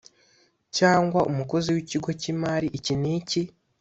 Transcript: Cyangwa umukozi w ikigo cy imari iki n iki